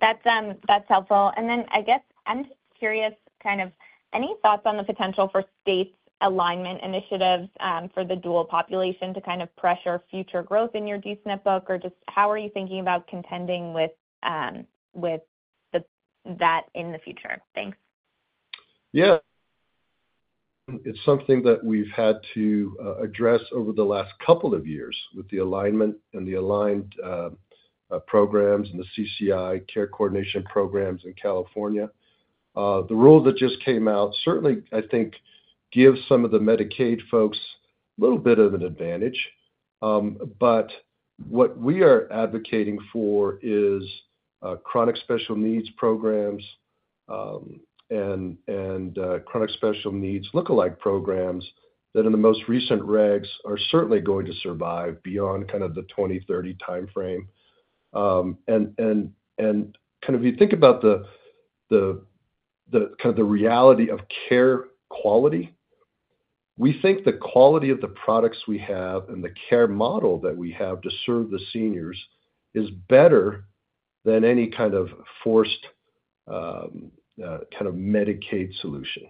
Speaker 9: That's, that's helpful. And then, I guess I'm just curious, kind of any thoughts on the potential for state's alignment initiatives, for the dual population to kind of pressure future growth in your D-SNP book? Or just how are you thinking about contending with, with that in the future? Thanks.
Speaker 2: Yeah. It's something that we've had to address over the last couple of years with the alignment and the aligned programs and the CCI care coordination programs in California. The rule that just came out certainly gives some of the Medicaid folks a little bit of an advantage. But what we are advocating for is chronic special needs programs and chronic special needs lookalike programs that in the most recent regs are certainly going to survive beyond kind of the 2030 timeframe. And you think about the reality of care quality, we think the quality of the products we have and the care model that we have to serve the seniors is better than any kind of forced kind of Medicaid solution.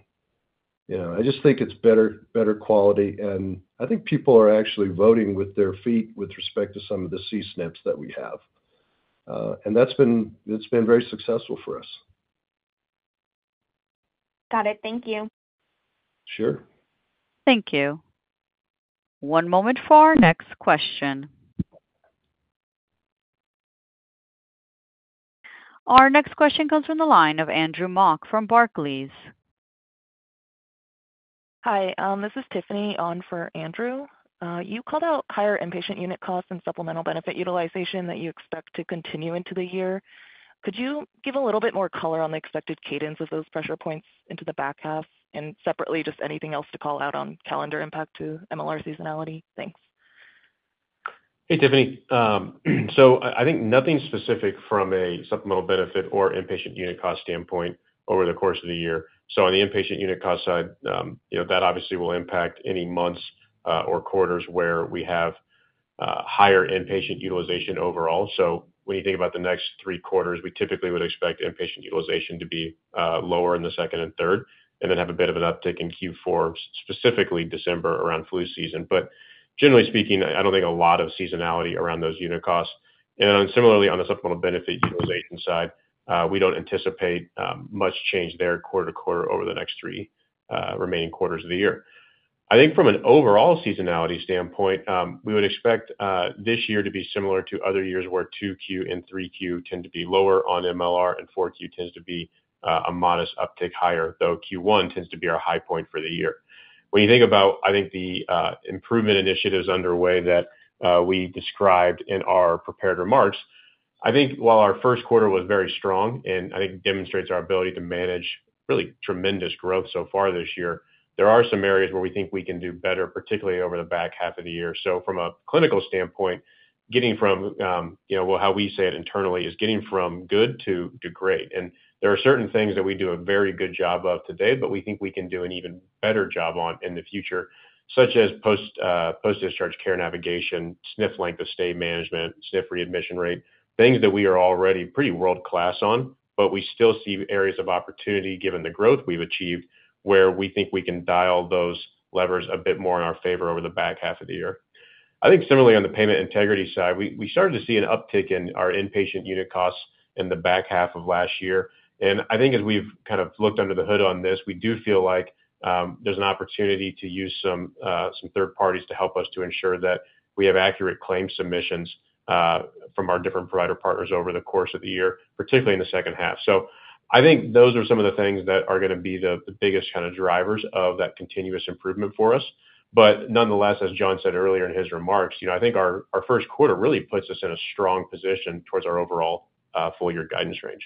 Speaker 2: You know, I just think it's better, better quality, and I think people are actually voting with their feet with respect to some of the C-SNPs that we have. And that's been, it's been very successful for us.
Speaker 9: Got it. Thank you.
Speaker 2: Sure.
Speaker 1: Thank you. One moment for our next question. Our next question comes from the line of Andrew Mok from Barclays.
Speaker 10: Hi, this is Tiffany on for Andrew. You called out higher inpatient unit costs and supplemental benefit utilization that you expect to continue into the year. Could you give a little bit more color on the expected cadence of those pressure points into the back half? And separately, just anything else to call out on calendar impact to MLR seasonality? Thanks.
Speaker 3: Hey, Tiffany, so I think nothing specific from a supplemental benefit or inpatient unit cost standpoint over the course of the year. So on the inpatient unit cost side, you know, that obviously will impact any months or quarters where we have higher inpatient utilization overall. So when you think about the next three quarters, we typically would expect inpatient utilization to be lower in the second and third, and then have a bit of an uptick in Q4, specifically December, around flu season. But generally speaking, I don't think a lot of seasonality around those unit costs. And similarly, on the supplemental benefit utilization side, we don't anticipate much change there quarter to quarter over the next three remaining quarters of the year. I think from an overall seasonality standpoint, we would expect this year to be similar to other years, where 2Q and 3Q tend to be lower on MLR, and 4Q tends to be a modest uptick higher, though Q1 tends to be our high point for the year. When you think about, I think, the improvement initiatives underway that we described in our prepared remarks, I think while our first quarter was very strong and I think demonstrates our ability to manage really tremendous growth so far this year, there are some areas where we think we can do better, particularly over the back half of the year. So from a clinical standpoint, getting from you know well how we say it internally is getting from good to to great. And there are certain things that we do a very good job of today, but we think we can do an even better job on in the future, such as post-discharge care navigation, SNF length of stay management, SNF readmission rate, things that we are already pretty world-class on, but we still see areas of opportunity given the growth we've achieved, where we think we can dial those levers a bit more in our favor over the back half of the year. I think similarly on the payment integrity side, we started to see an uptick in our inpatient unit costs in the back half of last year. I think as we've kind of looked under the hood on this, we do feel like, there's an opportunity to use some, some third parties to help us to ensure that we have accurate claim submissions, from our different provider partners over the course of the year, particularly in the second half. So I think those are some of the things that are gonna be the, biggest kind of drivers of that continuous improvement for us. But nonetheless, as John said earlier in his remarks, you know, I think our, first quarter really puts us in a strong position towards our overall, full year guidance range.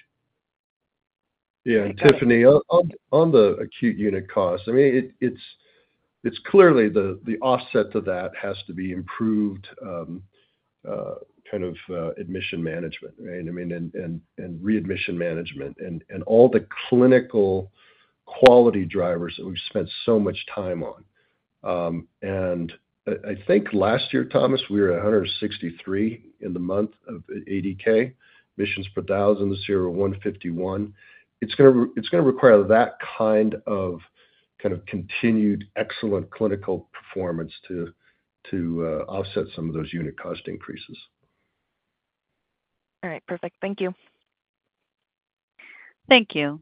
Speaker 2: Yeah, Tiffany, on the acute unit cost, I mean, it's clearly the offset to that has to be improved kind of admission management, right? I mean, readmission management and all the clinical quality drivers that we've spent so much time on. I think last year, Thomas, we were at 163 in the month of ADK admissions per thousand, this year we're 151. It's gonna require that kind of continued excellent clinical performance to offset some of those unit cost increases.
Speaker 1: All right. Perfect. Thank you. Thank you.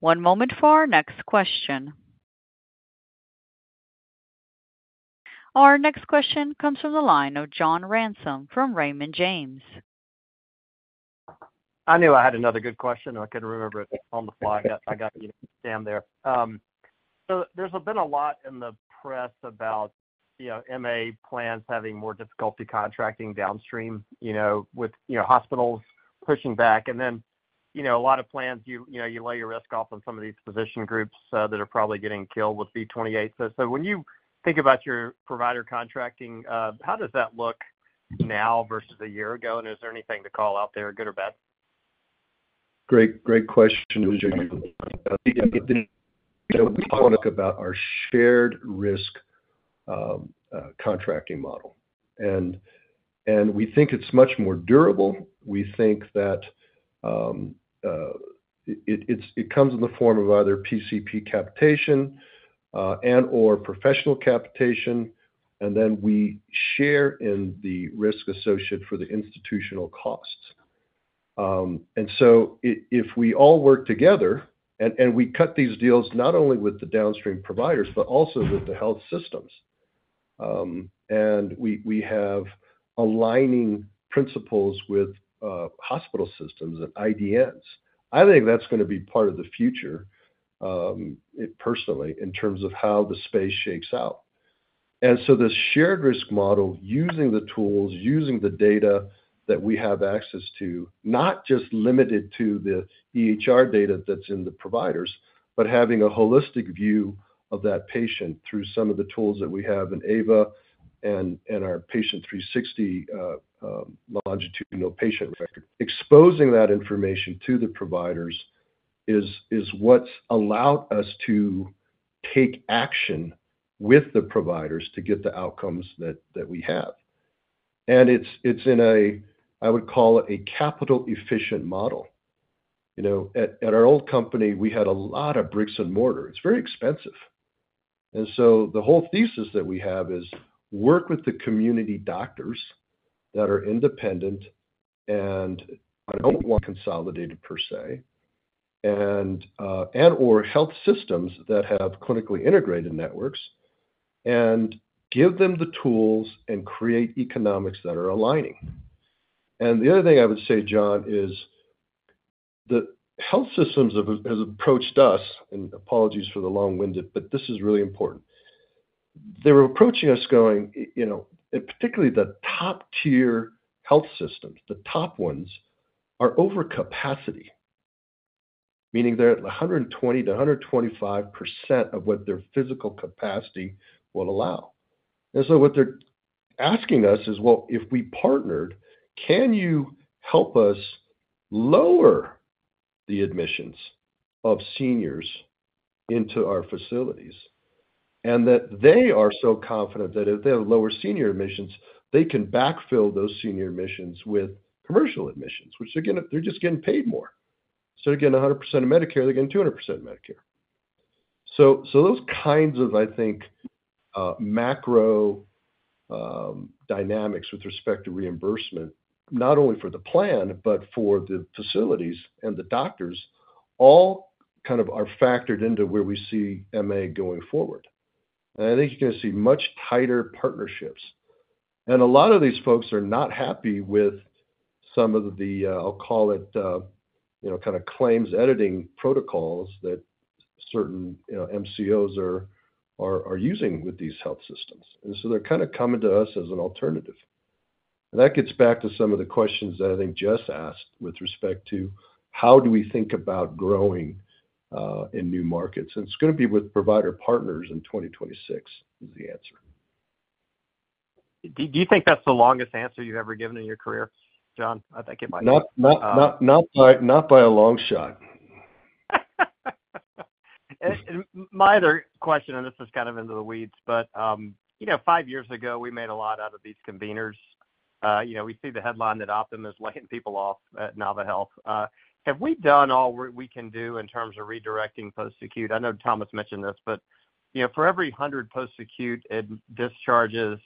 Speaker 1: One moment for our next question. Our next question comes from the line of John Ransom from Raymond James.
Speaker 2: I knew I had another good question, I couldn't remember it on the fly. I got you, down there. So there's been a lot in the press about, you know, MA plans having more difficulty contracting downstream, you know, with, you know, hospitals pushing back. And then, you know, a lot of plans, you, you know, you lay your risk off on some of these physician groups, that are probably getting killed with V28. So, so when you think about your provider contracting, how does that look now versus a year ago? And is there anything to call out there, good or bad? Great, great question, John. About our shared risk contracting model, and we think it's much more durable. We think that it comes in the form of either PCP capitation, and or professional capitation, and then we share in the risk associated for the institutional costs. And so if we all work together and we cut these deals not only with the downstream providers, but also with the health systems, and we have aligning principles with hospital systems and IDNs, I think that's gonna be part of the future, personally, in terms of how the space shakes out. The shared risk model, using the tools, using the data that we have access to, not just limited to the EHR data that's in the providers, but having a holistic view of that patient through some of the tools that we have in AVA and our Patient 360, longitudinal patient record. Exposing that information to the providers is what's allowed us to take action with the providers to get the outcomes that we have. And it's in a, I would call it, a capital efficient model. You know, at our old company, we had a lot of bricks and mortar. It's very expensive. And so the whole thesis that we have is work with the community doctors that are independent and I don't want consolidated per se, and, and or health systems that have clinically integrated networks and give them the tools and create economics that are aligning. And the other thing I would say, John, is the health systems have, has approached us, and apologies for the long-winded, but this is really important. They're approaching us going, you know, and particularly the top-tier health systems, the top ones, are over capacity, meaning they're at 120-125% of what their physical capacity will allow. And so what they're asking us is: Well, if we partnered, can you help us lower the admissions of seniors into our facilities? They are so confident that if they have lower senior admissions, they can backfill those senior admissions with commercial admissions, which again, they're just getting paid more. So they're getting 100% of Medicare, they're getting 200% of Medicare. So those kinds of, I think, macro dynamics with respect to reimbursement, not only for the plan, but for the facilities and the doctors, all kind of are factored into where we see MA going forward. And I think you're gonna see much tighter partnerships. And a lot of these folks are not happy with some of the, I'll call it, you know, kinda claims editing protocols that certain, you know, MCOs are using with these health systems. And so they're kinda coming to us as an alternative. That gets back to some of the questions that I think Jess asked with respect to how do we think about growing, in new markets? It's gonna be with provider partners in 2026, is the answer.
Speaker 6: Do you think that's the longest answer you've ever given in your career, John? I think it might be.
Speaker 2: Not by a long shot.
Speaker 6: My other question, and this is kind of into the weeds, but, you know, five years ago, we made a lot out of these conveners. You know, we see the headline that Optum is laying people off at NaviHealth. Have we done all we can do in terms of redirecting post-acute? I know Thomas mentioned this, but, you know, for every 100 post-acute discharges,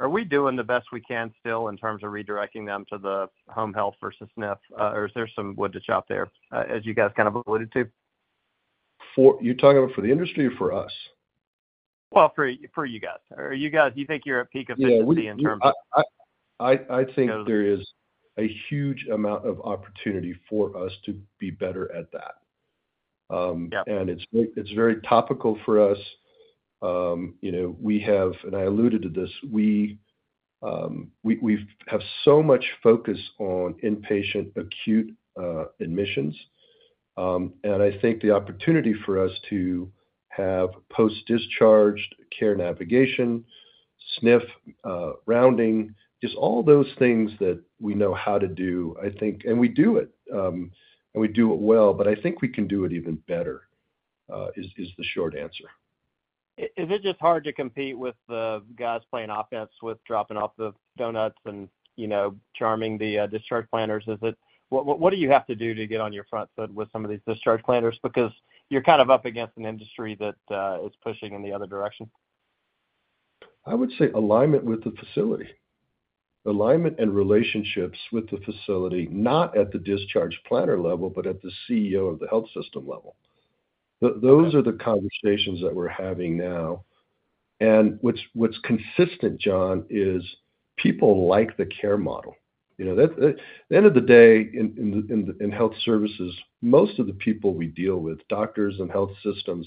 Speaker 6: are we doing the best we can still in terms of redirecting them to the home health versus SNF, or is there some wood to chop there, as you guys kind of alluded to?
Speaker 2: You're talking about for the industry or for us?
Speaker 6: Well, for you guys. Or you guys, do you think you're at peak efficiency in terms of-
Speaker 2: Yeah, I think there is a huge amount of opportunity for us to be better at that.
Speaker 6: Yeah.
Speaker 2: It's very topical for us. You know, we have, and I alluded to this, we have so much focus on inpatient acute admissions. And I think the opportunity for us to have post-discharge care navigation, SNF rounding, just all those things that we know how to do, I think. And we do it, and we do it well, but I think we can do it even better, is the short answer.
Speaker 6: Is it just hard to compete with the guys playing offense, with dropping off the donuts and, you know, charming the discharge planners? Is it... What do you have to do to get on your front foot with some of these discharge planners? Because you're kind of up against an industry that is pushing in the other direction.
Speaker 2: I would say Alignment with the facility. Alignment and relationships with the facility, not at the discharge planner level, but at the CEO of the health system level.
Speaker 6: Okay.
Speaker 2: Those are the conversations that we're having now. And what's consistent, John, is people like the care model. You know, at the end of the day, in health services, most of the people we deal with, doctors and health systems,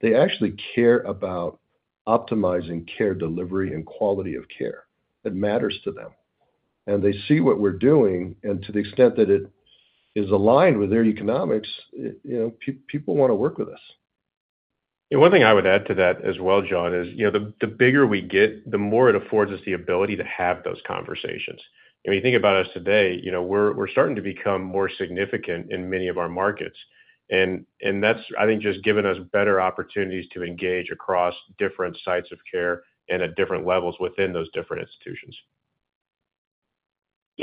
Speaker 2: they actually care about optimizing care delivery and quality of care. It matters to them. And they see what we're doing, and to the extent that it is aligned with their economics, you know, people wanna work with us.
Speaker 3: One thing I would add to that as well, John, is, you know, the bigger we get, the more it affords us the ability to have those conversations. If you think about us today, you know, we're starting to become more significant in many of our markets. And that's, I think, just given us better opportunities to engage across different sites of care and at different levels within those different institutions.
Speaker 6: Yeah,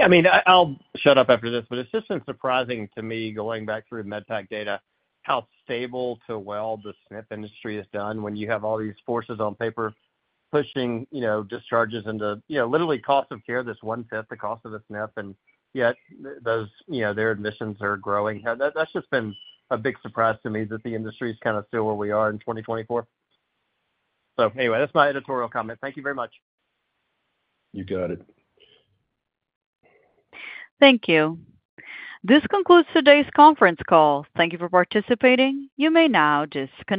Speaker 6: I mean, I'll shut up after this, but it's just been surprising to me, going back through MedPAC data, how stable to well the SNF industry has done when you have all these forces on paper pushing, you know, discharges into, you know, literally cost of care, just one-fifth the cost of the SNF, and yet those, you know, their admissions are growing. That, that's just been a big surprise to me, that the industry is kind of still where we are in 2024. So anyway, that's my editorial comment. Thank you very much.
Speaker 2: You got it.
Speaker 1: Thank you. This concludes today's conference call. Thank you for participating. You may now disconnect.